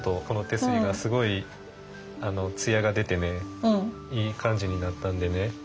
この手すりがすごい艶が出てねいい感じになったんでね